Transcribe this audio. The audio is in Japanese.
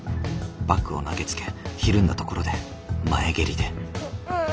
バッグを投げつけひるんだところで前蹴りで。